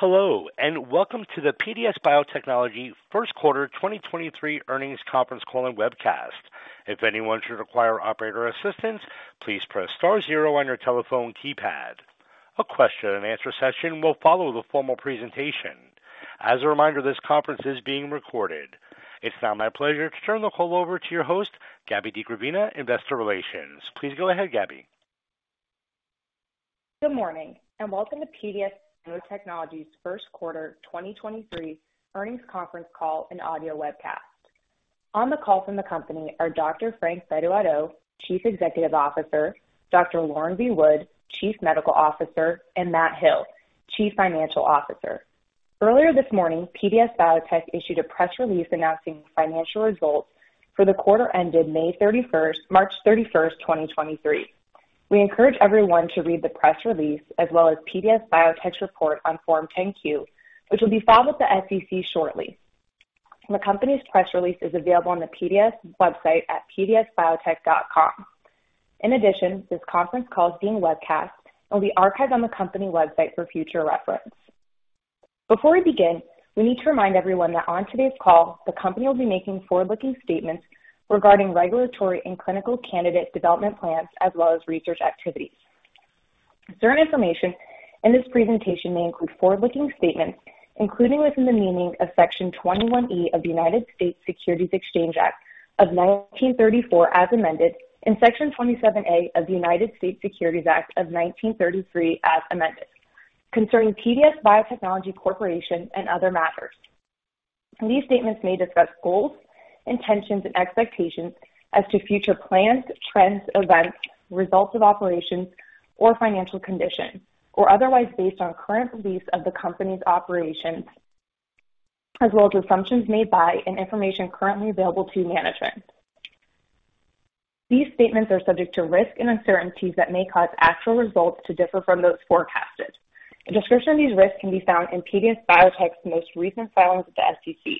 Hello, welcome to the PDS Biotechnology first quarter 2023 earnings conference call and webcast. If anyone should require operator assistance, please press Star zero on your telephone keypad. A question-and-answer session will follow the formal presentation. As a reminder, this conference is being recorded. It's now my pleasure to turn the call over to your host, Gabby DiGravina, Investor Relations. Please go ahead, Gabby. Good morning, and welcome to PDS Biotechnology's first quarter 2023 earnings conference call and audio webcast. On the call from the company are Dr. Frank Bedu-Addo, Chief Executive Officer, Dr. Lauren V. Wood, Chief Medical Officer, and Matt Hill, Chief Financial Officer. Earlier this morning, PDS Biotech issued a press release announcing financial results for the quarter ended March 31st, 2023. We encourage everyone to read the press release as well as PDS Biotech's report on Form 10-Q, which will be filed with the SEC shortly. The company's press release is available on the PDS website at pdsbiotech.com. In addition, this conference call is being webcast and will be archived on the company website for future reference. Before we begin, we need to remind everyone that on today's call, the company will be making forward-looking statements regarding regulatory and clinical candidate development plans, as well as research activities. Certain information in this presentation may include forward-looking statements, including within the meaning of Section 21E of the United States Securities Exchange Act of 1934 as amended, and Section 27A of the United States Securities Act of 1933 as amended, concerning PDS Biotechnology Corporation and other matters. These statements may discuss goals, intentions, and expectations as to future plans, trends, events, results of operations, or financial conditions, or otherwise based on current beliefs of the company's operations, as well as assumptions made by and information currently available to management. These statements are subject to risks and uncertainties that may cause actual results to differ from those forecasted. A description of these risks can be found in PDS Biotech's most recent filings with the SEC.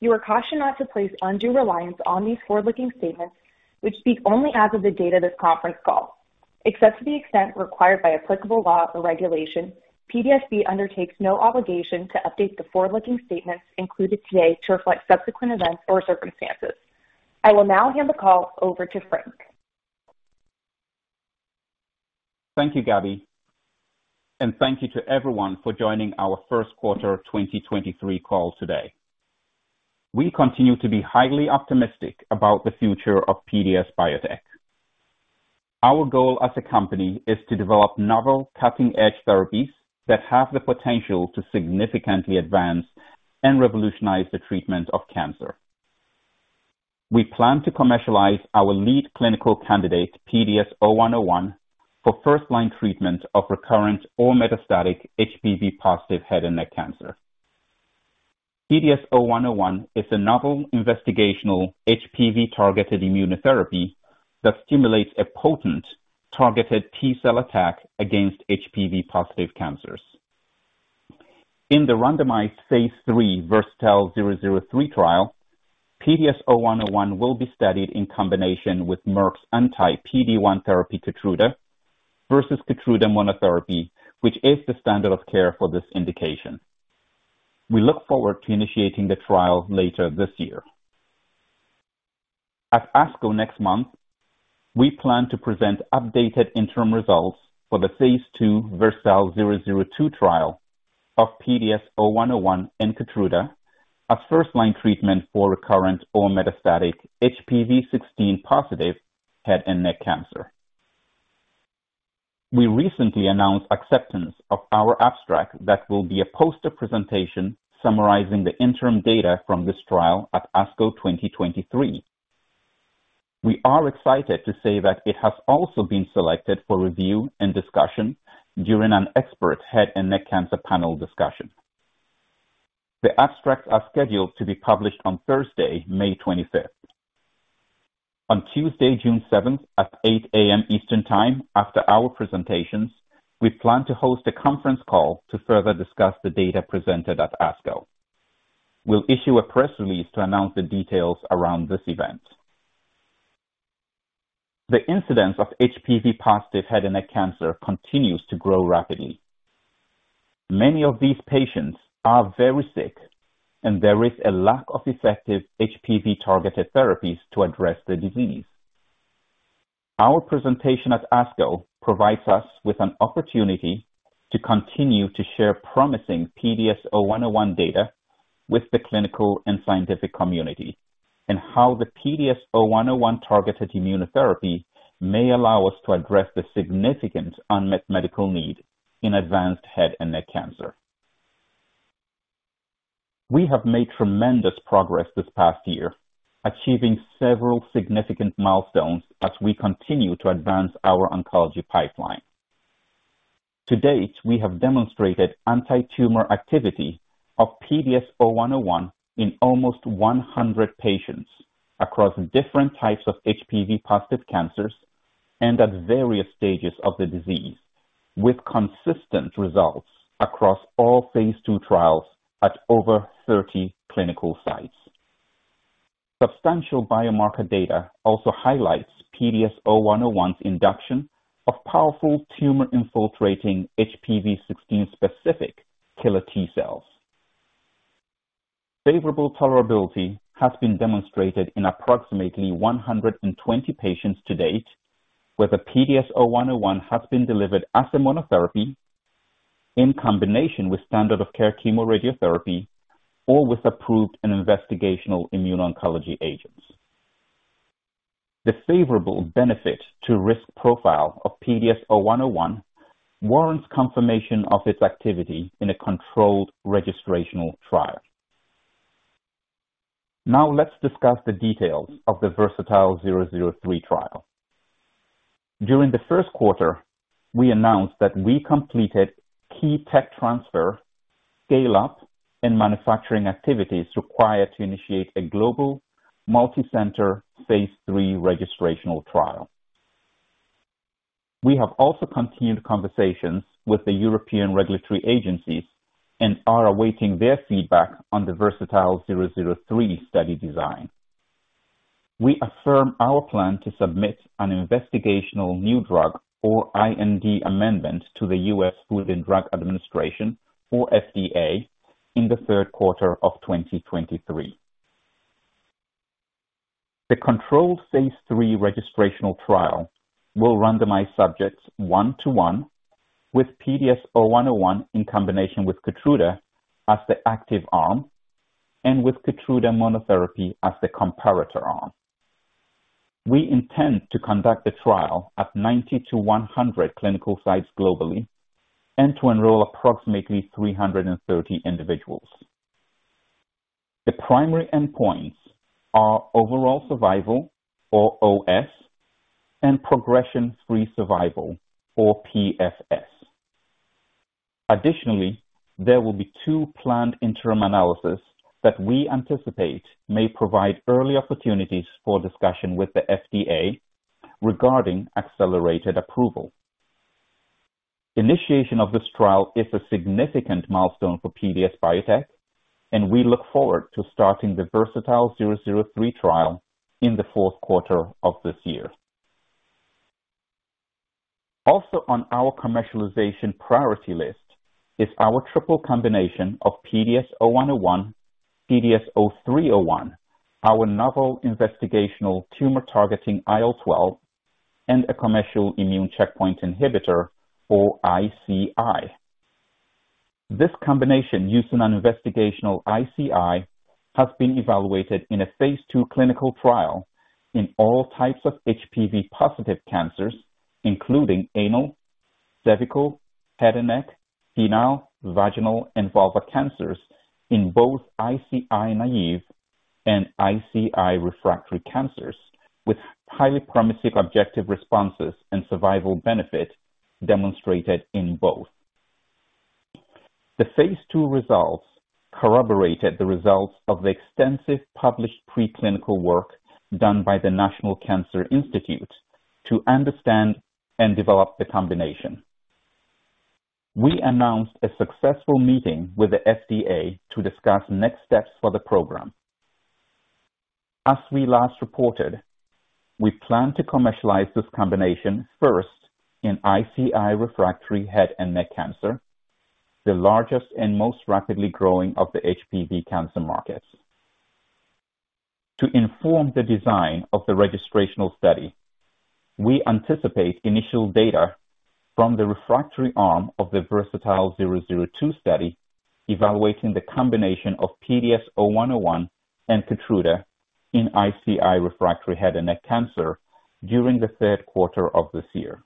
You are cautioned not to place undue reliance on these forward-looking statements which speak only as of the date of this conference call. Except to the extent required by applicable law or regulation, PDSB undertakes no obligation to update the forward-looking statements included today to reflect subsequent events or circumstances. I will now hand the call over to Frank. Thank you, Gabby, thank you to everyone for joining our first quarter 2023 call today. We continue to be highly optimistic about the future of PDS Biotech. Our goal as a company is to develop novel cutting-edge therapies that have the potential to significantly advance and revolutionize the treatment of cancer. We plan to commercialize our lead clinical candidate, PDS0101, for first-line treatment of recurrent or metastatic HPV positive head and neck cancer. PDS0101 is a novel investigational HPV-targeted immunotherapy that stimulates a potent targeted T-cell attack against HPV positive cancers. In the randomized phase III VERSATILE-003 trial, PDS0101 will be studied in combination with Merck's anti-PD-1 therapy, KEYTRUDA, versus KEYTRUDA monotherapy, which is the standard of care for this indication. We look forward to initiating the trial later this year. At ASCO next month, we plan to present updated interim results for the phase II VERSATILE-002 trial of PDS0101 and KEYTRUDA, a first-line treatment for recurrent or metastatic HPV16 positive head and neck cancer. We recently announced acceptance of our abstract that will be a poster presentation summarizing the interim data from this trial at ASCO 2023. We are excited to say that it has also been selected for review and discussion during an expert head and neck cancer panel discussion. The abstracts are scheduled to be published on Thursday, May 25th. On Tuesday, June 7th at 8:00 A.M. Eastern Time after our presentations, we plan to host a conference call to further discuss the data presented at ASCO. We'll issue a press release to announce the details around this event. The incidence of HPV positive head and neck cancer continues to grow rapidly. Many of these patients are very sick. There is a lack of effective HPV-targeted therapies to address the disease. Our presentation at ASCO provides us with an opportunity to continue to share promising PDS0101 data with the clinical and scientific community, and how the PDS0101 targeted immunotherapy may allow us to address the significant unmet medical need in advanced head and neck cancer. We have made tremendous progress this past year, achieving several significant milestones as we continue to advance our oncology pipeline. To date, we have demonstrated anti-tumor activity of PDS0101 in almost 100 patients across different types of HPV positive cancers and at various stages of the disease, with consistent results across all phase II trials at over 30 clinical sites. Substantial biomarker data also highlights PDS0101's induction of powerful tumor-infiltrating HPV16 specific killer T-cells. Favorable tolerability has been demonstrated in approximately 120 patients to date, where the PDS0101 has been delivered as a monotherapy in combination with standard of care chemoradiotherapy, or with approved and investigational immune oncology agents. The favorable benefit to risk profile of PDS0101 warrants confirmation of its activity in a controlled registrational trial. Now let's discuss the details of the VERSATILE-003 trial. During the first quarter, we announced that we completed key tech transfer, scale-up, and manufacturing activities required to initiate a global multicenter phase III registrational trial. We have also continued conversations with the European regulatory agencies and are awaiting their feedback on the VERSATILE-003 study design. We affirm our plan to submit an investigational new drug or IND amendment to the US Food and Drug Administration or FDA in the third quarter of 2023. The control phase III registrational trial will randomize subjects 1-to-1 with PDS0101 in combination with KEYTRUDA as the active arm and with KEYTRUDA monotherapy as the comparator arm. We intend to conduct the trial at 90-100 clinical sites globally and to enroll approximately 330 individuals. The primary endpoints are overall survival, or OS, and progression-free survival, or PFS. Additionally, there will be two planned interim analysis that we anticipate may provide early opportunities for discussion with the FDA regarding accelerated approval. Initiation of this trial is a significant milestone for PDS Biotech, and we look forward to starting the VERSATILE-003 trial in the fourth quarter of this year. On our commercialization priority list is our triple combination of PDS0101, PDS0301, our novel investigational tumor targeting IL-12 and a commercial immune checkpoint inhibitor or ICI. This combination using an investigational ICI has been evaluated in a phase II clinical trial in all types of HPV-positive cancers including anal, cervical, head and neck, penile, vaginal, and vulva cancers in both ICI naive and ICI refractory cancers, with highly promising objective responses and survival benefit demonstrated in both. The phase II results corroborated the results of the extensive published preclinical work done by the National Cancer Institute to understand and develop the combination. We announced a successful meeting with the FDA to discuss next steps for the program. As we last reported, we plan to commercialize this combination first in ICI refractory head and neck cancer, the largest and most rapidly growing of the HPV cancer markets. To inform the design of the registrational study, we anticipate initial data from the refractory arm of the VERSATILE-002 study evaluating the combination of PDS0101 and KEYTRUDA in ICI refractory head and neck cancer during the third quarter of this year.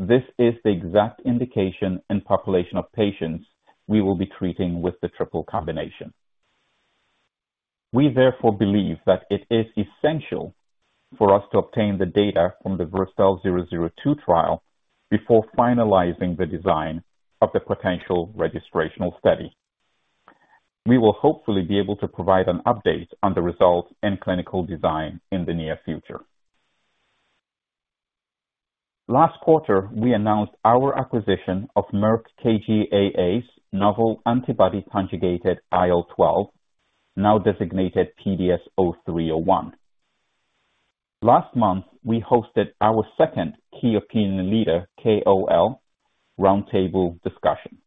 This is the exact indication and population of patients we will be treating with the triple combination. We therefore believe that it is essential for us to obtain the data from the VERSATILE-002 trial before finalizing the design of the potential registrational study. We will hopefully be able to provide an update on the results and clinical design in the near future. Last quarter, we announced our acquisition of Merck KGaA's novel antibody conjugated IL-12, now designated PDS0301. Last month, we hosted our second key opinion leader, KOL, roundtable discussion.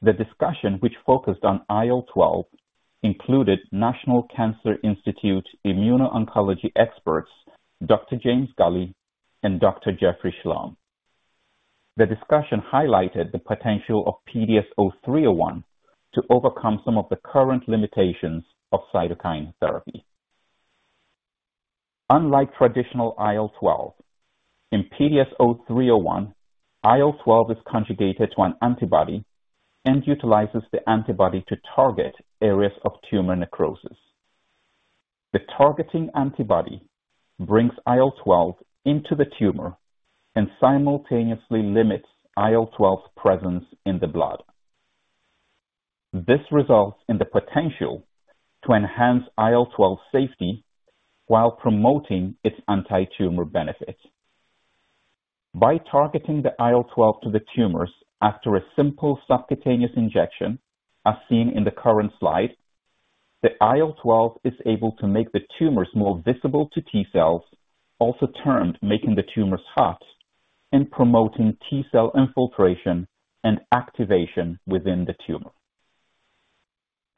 The discussion, which focused on IL-12, included National Cancer Institute immuno-oncology experts Dr. James Gulley and Dr. Jeffrey Schlom. The discussion highlighted the potential of PDS0301 to overcome some of the current limitations of cytokine therapy. Unlike traditional IL-12, in PDS0301, IL-12 is conjugated to an antibody and utilizes the antibody to target areas of tumor necrosis. The targeting antibody brings IL-12 into the tumor and simultaneously limits IL-12's presence in the blood. This results in the potential to enhance IL-12 safety while promoting its anti-tumor benefits. By targeting the IL-12 to the tumors after a simple subcutaneous injection, as seen in the current slide, the IL-12 is able to make the tumors more visible to T-cells, also termed making the tumors hot and promoting T-cell infiltration and activation within the tumor.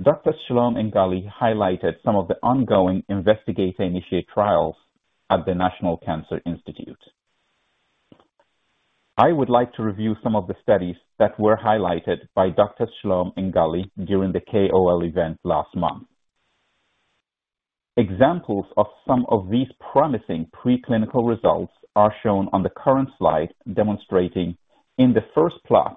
Dr. Schlom and Gulley highlighted some of the ongoing investigate initiate trials at the National Cancer Institute. I would like to review some of the studies that were highlighted by Doctors Schlom and Gulley during the KOL event last month. Examples of some of these promising preclinical results are shown on the current slide, demonstrating in the first plot,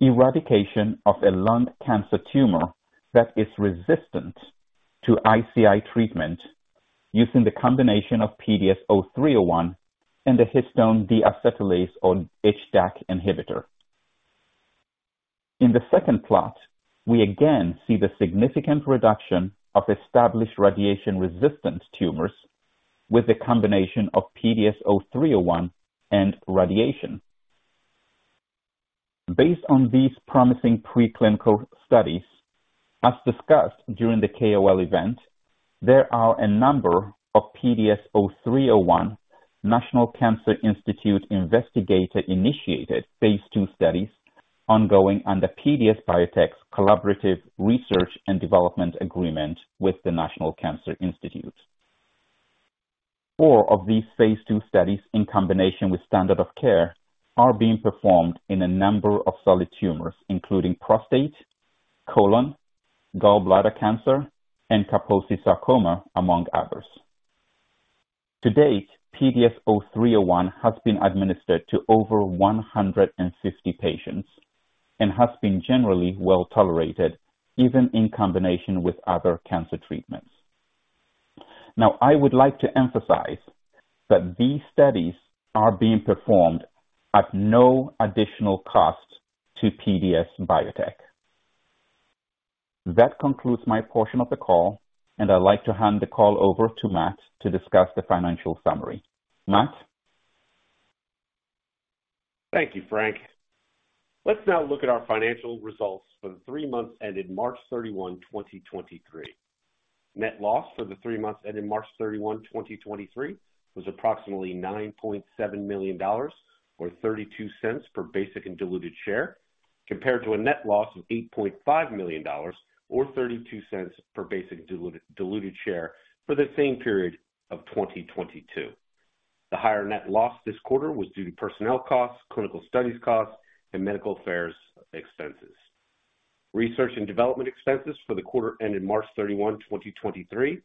eradication of a lung cancer tumor that is resistant to ICI treatment using the combination of PDS0301 and the histone deacetylase or HDAC inhibitor. In the second plot, we again see the significant reduction of established radiation-resistant tumors with a combination of PDS0301 and radiation. Based on these promising preclinical studies, as discussed during the KOL event, there are a number of PDS0301 National Cancer Institute Investigator-Initiated phase II studies ongoing under PDS Biotech's collaborative research and development agreement with the National Cancer Institute. Four of these phase II studies, in combination with standard of care, are being performed in a number of solid tumors, including prostate, colon, gallbladder cancer, and Kaposi sarcoma, among others. To date, PDS0301 has been administered to over 150 patients and has been generally well tolerated even in combination with other cancer treatments. Now, I would like to emphasize that these studies are being performed at no additional cost to PDS Biotech. That concludes my portion of the call, and I'd like to hand the call over to Matt to discuss the financial summary. Matt? Thank you, Frank. Let's now look at our financial results for the three months ended March 31, 2023. Net loss for the three months ended March 31, 2023 was approximately $9.7 million, or $0.32 per basic and diluted share, compared to a net loss of $8.5 million or $0.32 per basic diluted share for the same period of 2022. The higher net loss this quarter was due to personnel costs, clinical studies costs, and medical affairs expenses. Research and development expenses for the quarter ended March 31, 2023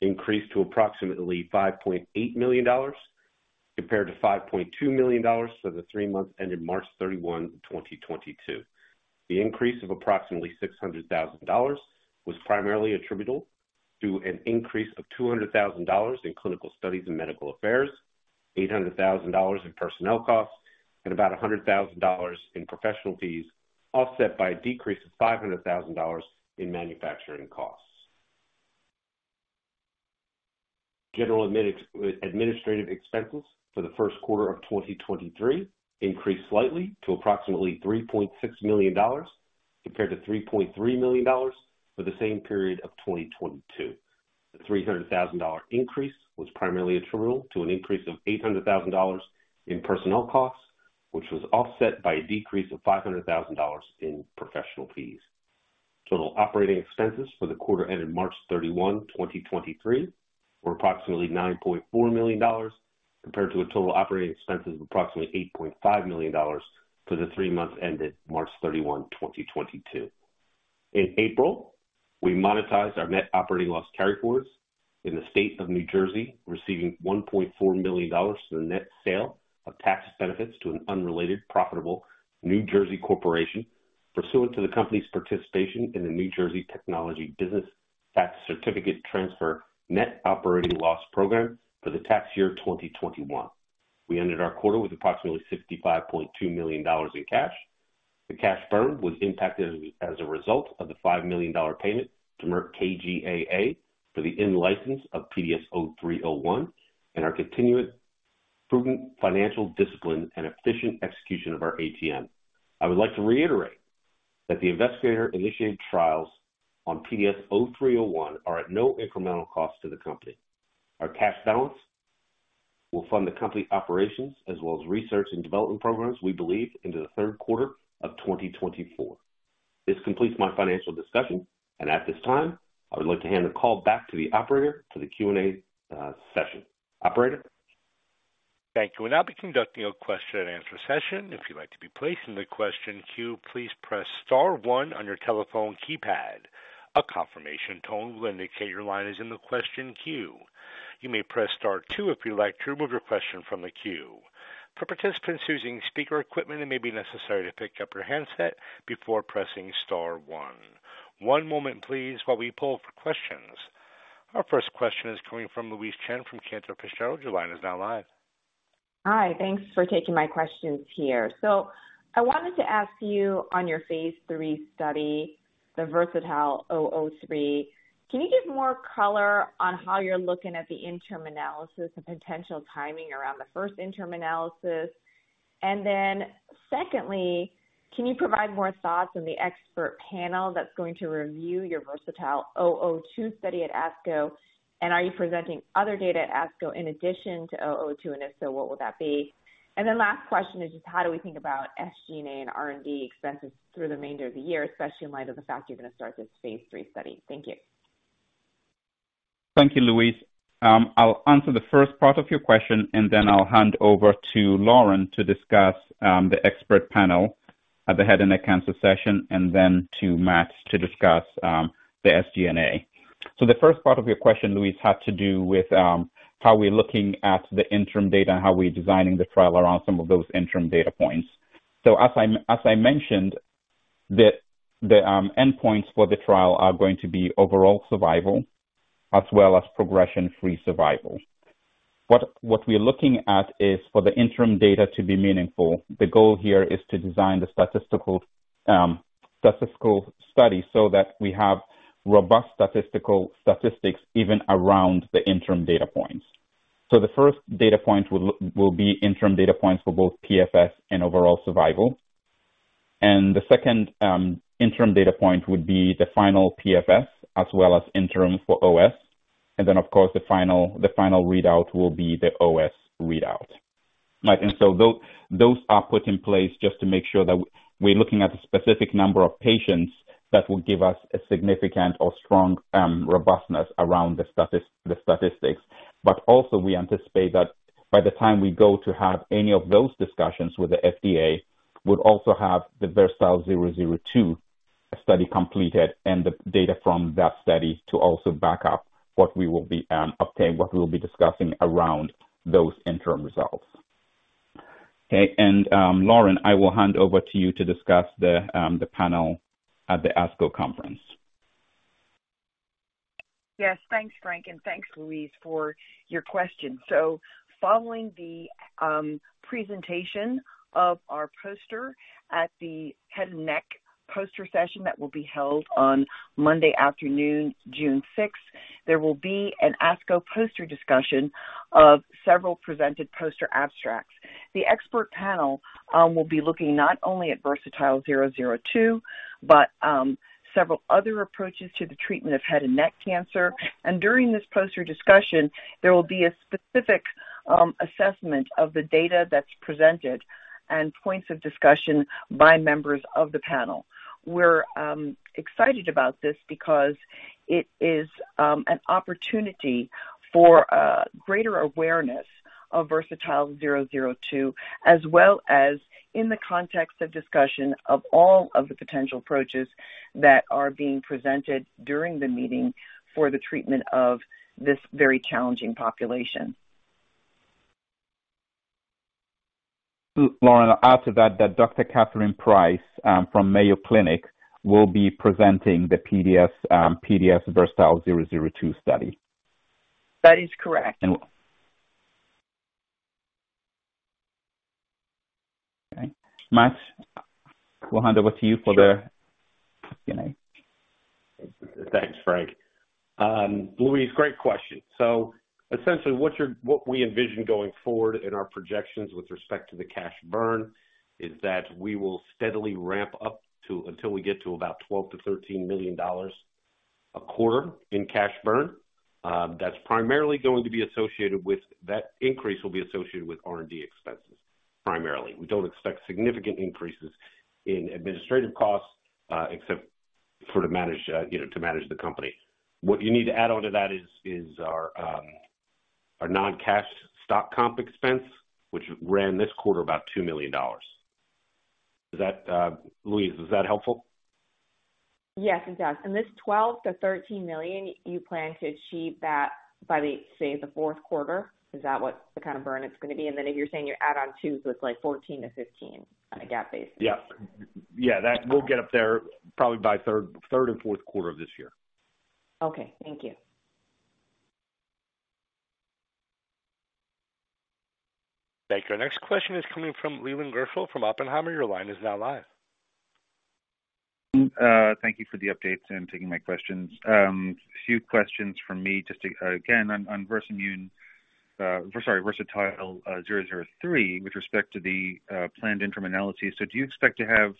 increased to approximately $5.8 million compared to $5.2 million for the three months ended March 31, 2022. The increase of approximately $600,000 was primarily attributable to an increase of $200,000 in clinical studies and medical affairs, $800,000 in personnel costs, and about $100,000 in professional fees, offset by a decrease of $500,000 in manufacturing costs. General administrative expenses for the first quarter of 2023 increased slightly to approximately $3.6 million compared to $3.3 million for the same period of 2022. The $300,000 increase was primarily attributable to an increase of $800,000 in personnel costs, which was offset by a decrease of $500,000 in professional fees. Total operating expenses for the quarter ended March 31, 2023, were approximately $9.4 million, compared to a total operating expense of approximately $8.5 million for the three months ended March 31, 2022. In April, we monetized our net operating loss carryforwards in the state of New Jersey, receiving $1.4 million for the net sale of tax benefits to an unrelated, profitable New Jersey corporation pursuant to the company's participation in the New Jersey Technology Business Tax Certificate Transfer Net Operating Loss program for the tax year 2021. We ended our quarter with approximately $65.2 million in cash. The cash burn was impacted as a result of the $5 million payment to Merck KGaA for the in-license of PDS0301 and our continued prudent financial discipline and efficient execution of our ATM. I would like to reiterate that the investigator-initiated trials on PDS0301 are at no incremental cost to the company. Our cash balance will fund the company operations as well as research and development programs, we believe into the third quarter of 2024. This completes my financial discussion, and at this time, I would like to hand the call back to the operator for the Q&A session. Operator? Thank you. We'll now be conducting a question-and-answer session. If you'd like to be placed in the question queue, please press Star one on your telephone keypad. A confirmation tone will indicate your line is in the question queue. You may press Star two if you'd like to remove your question from the queue. For participants using speaker equipment, it may be necessary to pick up your handset before pressing star one. One moment please while we pull for questions. Our first question is coming from Louise Chen from Cantor Fitzgerald. Your line is now live. Hi. Thanks for taking my questions here. I wanted to ask you on your phase III study, the VERSATILE-003, can you give more color on how you're looking at the interim analysis and potential timing around the first interim analysis? Secondly, can you provide more thoughts on the expert panel that's going to review your VERSATILE-002 study at ASCO? Are you presenting other data at ASCO in addition to 002, and if so, what will that be? Last question is just how do we think about SG&A and R&D expenses through the remainder of the year, especially in light of the fact you're gonna start this phase II study? Thank you. Thank you, Louise. I'll answer the first part of your question and then I'll hand over to Lauren to discuss the expert panel at the Head & Neck Cancer Session, and then to Matt to discuss the SG&A. The first part of your question, Louise, had to do with how we're looking at the interim data and how we're designing the trial around some of those interim data points. As I mentioned, the endpoints for the trial are going to be overall survival as well as progression-free survival. What we are looking at is for the interim data to be meaningful, the goal here is to design the statistical study so that we have robust statistical statistics even around the interim data points. The first data point will be interim data points for both PFS and overall survival. The second interim data point would be the final PFS as well as interim for OS. Of course the final readout will be the OS readout. Right. Those are put in place just to make sure that we're looking at a specific number of patients that will give us a significant or strong robustness around the statistics. Also we anticipate that by the time we go to have any of those discussions with the FDA, we'll also have the VERSATILE-002 study completed and the data from that study to also back up what we will be obtain, what we will be discussing around those interim results. Okay. Lauren, I will hand over to you to discuss the panel at the ASCO conference. Yes, thanks, Frank, and thanks Louise for your question. Following the presentation of our poster at the Head & Neck poster session that will be held on Monday afternoon, June sixth, there will be an ASCO poster discussion of several presented poster abstracts. The expert panel will be looking not only at VERSATILE-002, but several other approaches to the treatment of head and neck cancer. During this poster discussion, there will be a specific assessment of the data that's presented and points of discussion by members of the panel. We're excited about this because it is an opportunity for greater awareness of VERSATILE-002, as well as in the context of discussion of all of the potential approaches that are being presented during the meeting for the treatment of this very challenging population. Lauren, I'll add to that Dr. Katharine Price from Mayo Clinic will be presenting the PDS VERSATILE-002 study. That is correct. Okay. Matt, we'll hand over to you for the- Sure. -SG&A. Thanks, Frank. Louise, great question. Essentially what we envision going forward in our projections with respect to the cash burn is that we will steadily ramp up to, until we get to about $12 million-$13 million a quarter in cash burn. That increase will be associated with R&D expenses primarily. We don't expect significant increases in administrative costs, except for to manage, you know, to manage the company. What you need to add onto that is our non-cash stock comp expense, which ran this quarter about $2 million. Does that, Louise, is that helpful? Yes, it does. This $12 million-$13 million, you plan to achieve that by the, say, the fourth quarter? Is that what the kind of burn it's gonna be? If you're saying you add on $2 million, so it's like $14 million-$15 million on a GAAP basis. Yeah. Yeah. We'll get up there probably by third and fourth quarter of this year. Okay. Thank you. Thank you. Our next question is coming from Leland Gerschel from Oppenheimer. Your line is now live. Thank you for the updates and taking my questions. A few questions from me just to again, on VERSATILE-003 with respect to the planned interim analysis. Do you expect to have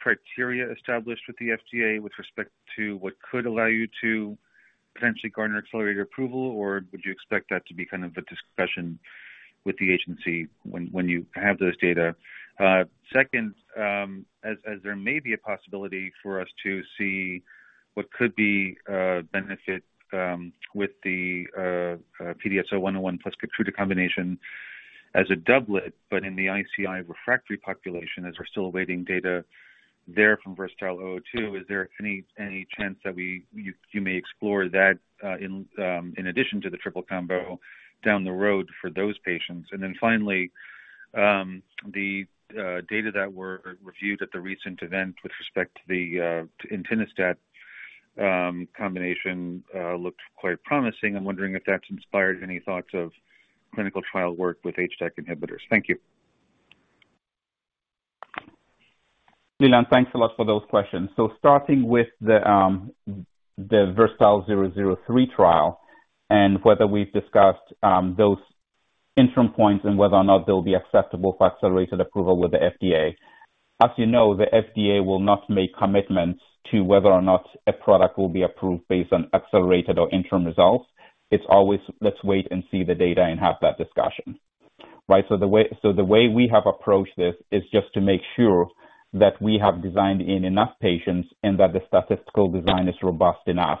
criteria established with the FDA with respect to what could allow you to potentially garner accelerated approval? Or would you expect that to be kind of a discussion with the agency when you have those data? Second, as there may be a possibility for us to see what could be benefit with the PDS0101 plus KEYTRUDA combination as a doublet, but in the ICI refractory population, as we're still awaiting data there from VERSATILE-002, is there any chance that you may explore that in addition to the triple combo down the road for those patients? Finally, the data that were reviewed at the recent event with respect to the entinostat combination looked quite promising. I'm wondering if that's inspired any thoughts of clinical trial work with HDAC inhibitors. Thank you. Leland, thanks a lot for those questions. Starting with the VERSATILE-003 trial and whether we've discussed those interim points and whether or not they'll be acceptable for accelerated approval with the FDA. As you know, the FDA will not make commitments to whether or not a product will be approved based on accelerated or interim results. It's always let's wait and see the data and have that discussion, right? The way we have approached this is just to make sure that we have designed in enough patients and that the statistical design is robust enough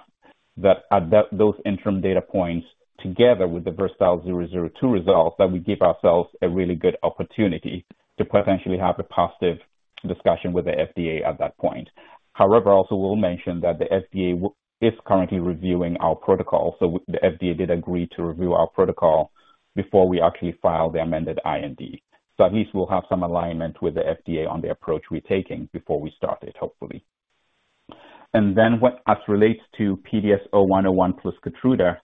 that at those interim data points, together with the VERSATILE-002 results, that we give ourselves a really good opportunity to potentially have a positive discussion with the FDA at that point. Also we'll mention that the FDA is currently reviewing our protocol. The FDA did agree to review our protocol before we actually file the amended IND. At least we'll have some alignment with the FDA on the approach we're taking before we start it, hopefully. What as relates to PDS0101 plus KEYTRUDA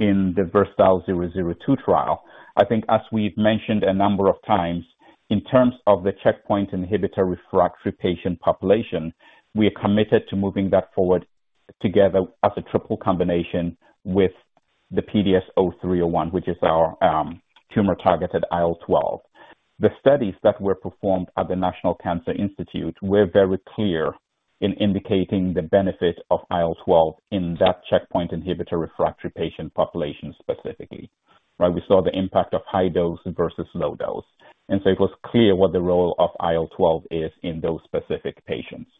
in the VERSATILE-002 trial, I think as we've mentioned a number of times, in terms of the checkpoint inhibitor-refractory patient population, we are committed to moving that forward together as a triple combination with the PDS0301, which is our tumor-targeted IL-12. The studies that were performed at the National Cancer Institute were very clear in indicating the benefit of IL-12 in that checkpoint inhibitor-refractory patient population specifically, right? We saw the impact of high dose versus low dose. It was clear what the role of IL-12 is in those specific patients.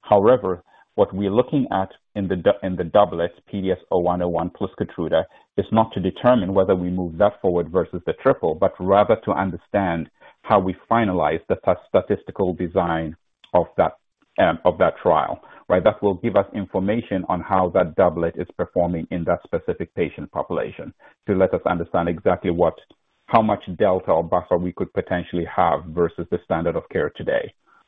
However, what we're looking at in the doublet PDS0101 plus KEYTRUDA is not to determine whether we move that forward versus the triple, but rather to understand how we finalize the statistical design of that, of that trial, right? That will give us information on how that doublet is performing in that specific patient population to let us understand exactly what... how much delta or buffer we could potentially have versus the standard of care today,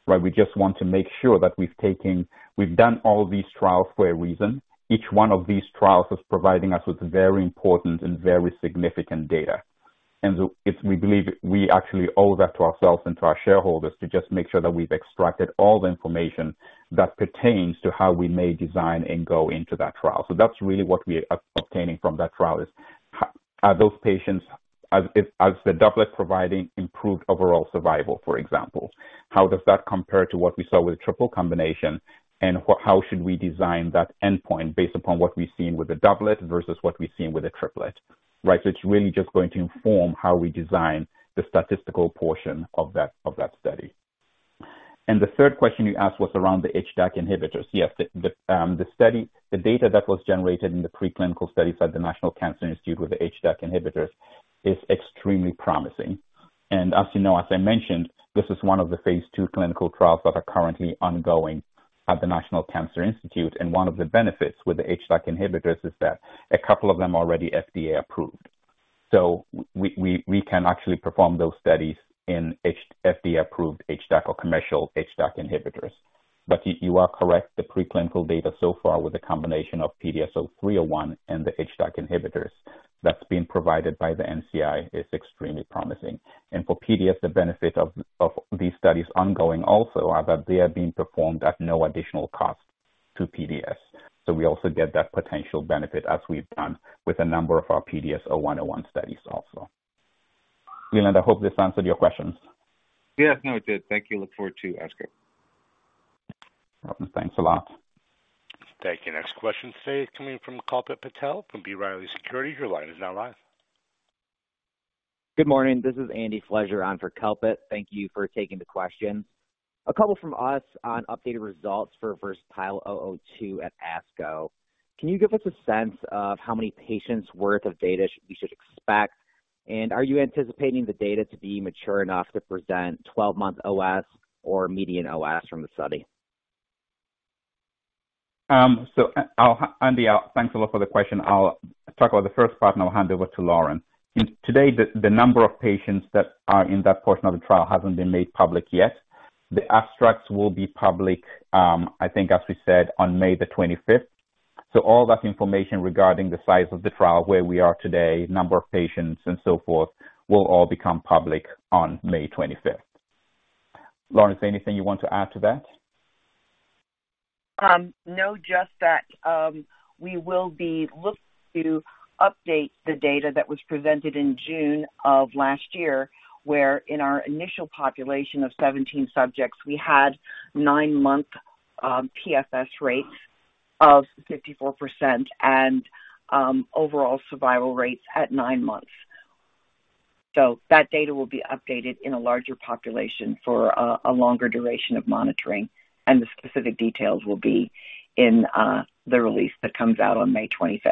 right? We just want to make sure that we've taken... We've done all these trials for a reason. Each one of these trials is providing us with very important and very significant data. We believe we actually owe that to ourselves and to our shareholders to just make sure that we've extracted all the information that pertains to how we may design and go into that trial. That's really what we are obtaining from that trial, is are those patients... Has the doublet providing improved overall survival, for example? How does that compare to what we saw with triple combination? How should we design that endpoint based upon what we've seen with the doublet versus what we've seen with the triplet, right? It's really just going to inform how we design the statistical portion of that study. The third question you asked was around the HDAC inhibitors. Yes, the study, the data that was generated in the preclinical studies at the National Cancer Institute with the HDAC inhibitors is extremely promising. As you know, as I mentioned, this is one of the phase II clinical trials that are currently ongoing at the National Cancer Institute. One of the benefits with the HDAC inhibitors is that a couple of them are already FDA approved. So we can actually perform those studies in FDA-approved HDAC or commercial HDAC inhibitors. You are correct, the preclinical data so far with the combination of PDS0301 and the HDAC inhibitors that's being provided by the NCI is extremely promising. For PDS, the benefit of these studies ongoing also are that they are being performed at no additional cost to PDS. We also get that potential benefit as we've done with a number of our PDS0101 studies also. Leland, I hope this answered your questions. Yes. No, it did. Thank you. Look forward to ASCO. Welcome. Thanks a lot. Thank you. Next question today is coming from Kalpit Patel from B. Riley Securities. Your line is now live. Good morning. This is Andy Flescher on for Kalpit. Thank you for taking the question. A couple from us on updated results for VERSATILE-002 at ASCO. Can you give us a sense of how many patients worth of data we should expect? Are you anticipating the data to be mature enough to present 12-month OS or median OS from the study? Andy, thanks a lot for the question. I'll talk about the first part and I'll hand over to Lauren. Today, the number of patients that are in that portion of the trial hasn't been made public yet. The abstracts will be public, I think, as we said, on May the 25th. All that information regarding the size of the trial, where we are today, number of patients and so forth, will all become public on May 25th. Lauren, is there anything you want to add to that? We will look to update the data that was presented in June of last year, where in our initial population of 17 subjects we had 9-month PFS rates of 54% and overall survival rates at 9 months. That data will be updated in a larger population for a longer duration of monitoring, and the specific details will be in the release that comes out on May 25th.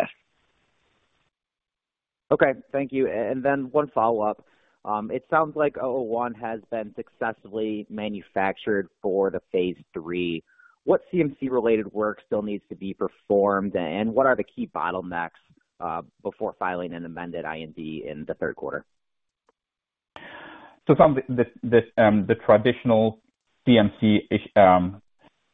Okay. Thank you. One follow-up. It sounds like PDS0101 has been successfully manufactured for the phase III. What CMC-related work still needs to be performed, and what are the key bottlenecks before filing an amended IND in the third quarter? The traditional CMC is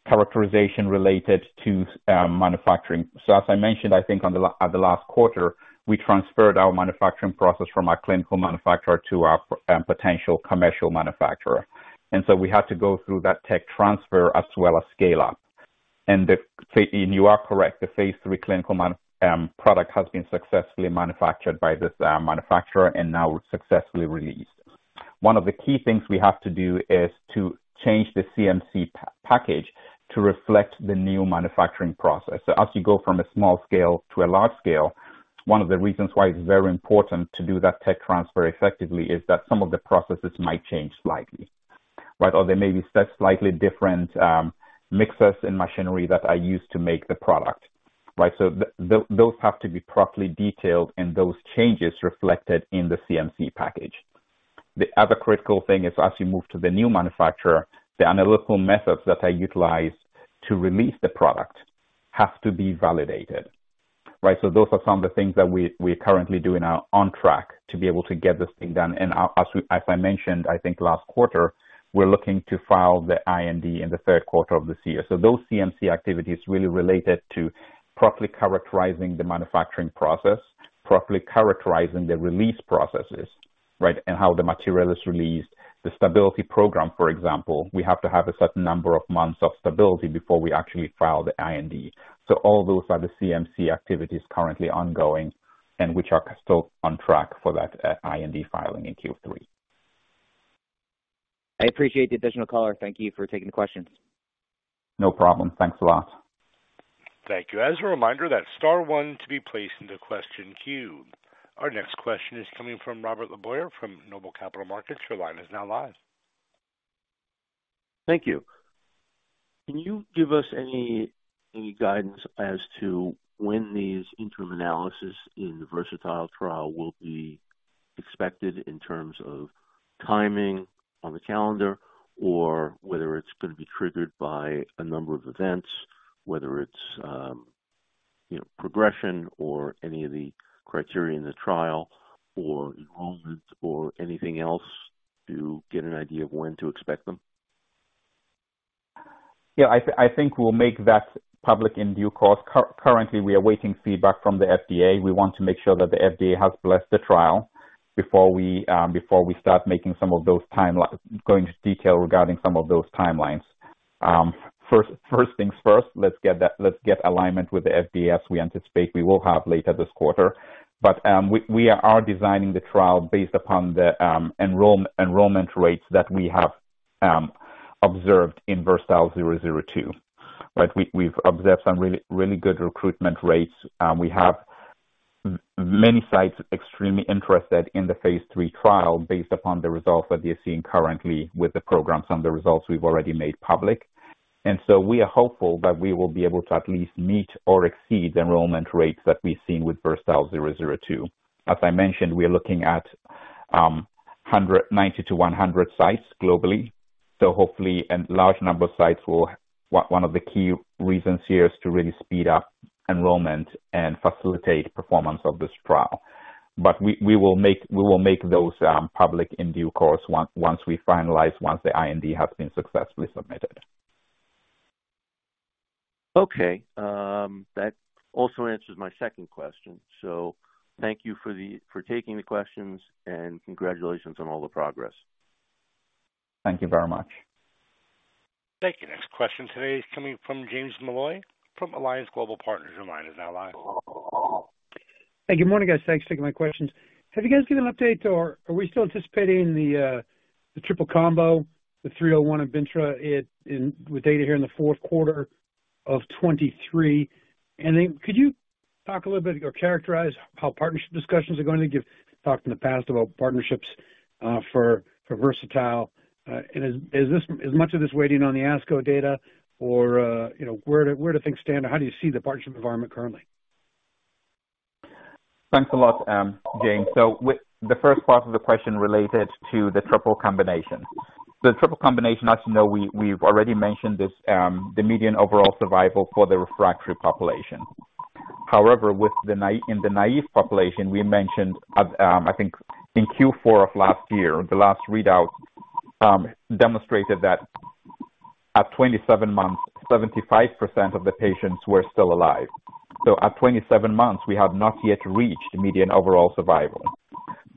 Characterization related to manufacturing. As I mentioned, I think on the last quarter, we transferred our manufacturing process from our clinical manufacturer to our potential commercial manufacturer. We had to go through that tech transfer as well as scale up. And you are correct, the phase III clinical product has been successfully manufactured by this manufacturer and now successfully released. One of the key things we have to do is to change the CMC package to reflect the new manufacturing process. As you go from a small scale to a large scale, one of the reasons why it's very important to do that tech transfer effectively is that some of the processes might change slightly, right? There may be slightly different mixes in machinery that are used to make the product, right? Those have to be properly detailed and those changes reflected in the CMC package. The other critical thing is as you move to the new manufacturer, the analytical methods that are utilized to release the product have to be validated, right? Those are some of the things that we are currently doing are on track to be able to get this thing done. As I mentioned, I think last quarter, we're looking to file the IND in the third quarter of this year. Those CMC activities really related to properly characterizing the manufacturing process, properly characterizing the release processes, right, and how the material is released. The stability program, for example, we have to have a certain number of months of stability before we actually file the IND. All those are the CMC activities currently ongoing and which are still on track for that IND filing in Q3. I appreciate the additional color. Thank you for taking the questions. No problem. Thanks a lot. Thank you. As a reminder, that's Star one to be placed into question queue. Our next question is coming from Robert LeBoyer from Noble Capital Markets. Your line is now live. Thank you. Can you give us any guidance as to when these interim analysis in the VERSATILE trial will be expected in terms of timing on the calendar or whether it's gonna be triggered by a number of events, whether it's, you know, progression or any of the criteria in the trial or enrollments or anything else to get an idea of when to expect them? Yeah, I think we'll make that public in due course. Currently, we are waiting feedback from the FDA. We want to make sure that the FDA has blessed the trial before we go into detail regarding some of those timelines. First things first, let's get alignment with the FDA, as we anticipate we will have later this quarter. We are designing the trial based upon the enrollment rates that we have observed in VERSATILE-002. Like, we've observed some really good recruitment rates. We have many sites extremely interested in the phase three trial based upon the results that they're seeing currently with the programs and the results we've already made public. We are hopeful that we will be able to at least meet or exceed enrollment rates that we've seen with VERSATILE-002. As I mentioned, we are looking at 90-100 sites globally. Hopefully a large number of sites will. One of the key reasons here is to really speed up enrollment and facilitate performance of this trial. We will make those public in due course once we finalize, once the IND has been successfully submitted. That also answers my second question. Thank you for the, for taking the questions, and congratulations on all the progress. Thank you very much. Thank you. Next question today is coming from James Molloy from Alliance Global Partners. Your line is now live. Hey. Good morning, guys. Thanks for taking my questions. Have you guys given an update or are we still anticipating the triple combo, the 301 of bintrafusp alfa with data here in the fourth quarter of 2023? Could you talk a little bit or characterize how partnership discussions are going? You've talked in the past about partnerships for VERSATILE. Is much of this waiting on the ASCO data or, you know, where do things stand or how do you see the partnership environment currently? Thanks a lot, James. With the first part of the question related to the triple combination. The triple combination, as you know, we've already mentioned this, the median overall survival for the refractory population. However, with the naive population, we mentioned, I think in Q4 of last year, the last readout demonstrated that at 27 months, 75% of the patients were still alive. At 27 months, we have not yet reached median overall survival.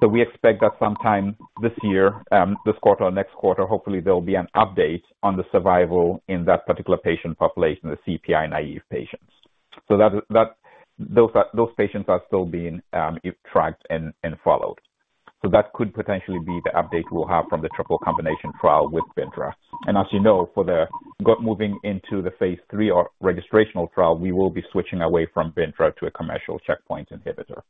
We expect that sometime this year, this quarter or next quarter, hopefully there'll be an update on the survival in that particular patient population, the CPI naive patients. That is, those patients are still being tracked and followed. That could potentially be the update we'll have from the triple combination trial with bintrafusp alfa. As you know, moving into the phase III or registrational trial, we will be switching away from Ventra to a commercial checkpoint inhibitor.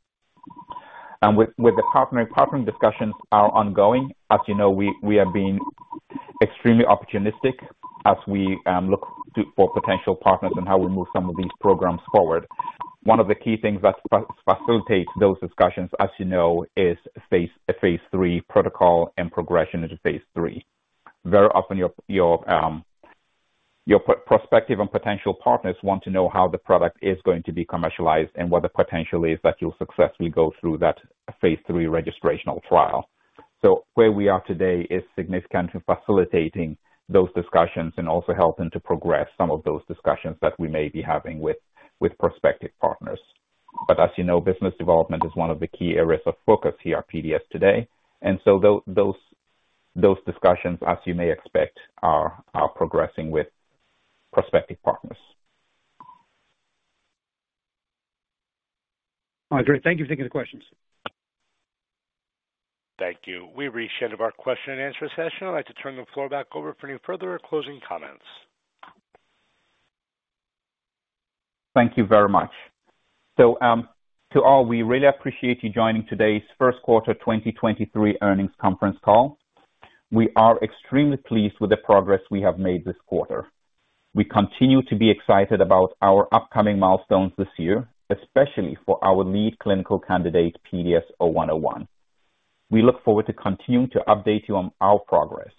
Partnering discussions are ongoing. As you know, we have been extremely opportunistic as we look for potential partners and how we move some of these programs forward. One of the key things that facilitates those discussions, as you know, is a phase III protocol and progression into phase III. Very often, your prospective and potential partners want to know how the product is going to be commercialized and what the potential is that you'll successfully go through that phase III registrational trial. Where we are today is significantly facilitating those discussions and also helping to progress some of those discussions that we may be having with prospective partners. As you know, business development is one of the key areas of focus here at PDS today. Those discussions, as you may expect, are progressing with prospective partners. All right. Great. Thank you for taking the questions. Thank you. We've reached the end of our question-and-answer session. I'd like to turn the floor back over for any further closing comments. Thank you very much. To all, we really appreciate you joining today's first quarter 2023 earnings conference call. We are extremely pleased with the progress we have made this quarter. We continue to be excited about our upcoming milestones this year, especially for our lead clinical candidate, PDS0101. We look forward to continuing to update you on our progress.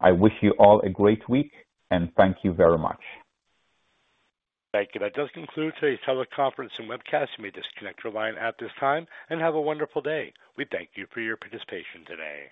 I wish you all a great week, and thank you very much. Thank you. That does conclude today's teleconference and webcast. You may disconnect your line at this time and have a wonderful day. We thank you for your participation today.